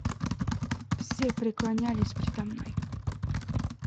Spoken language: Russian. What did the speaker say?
Все преклонялись передо мной!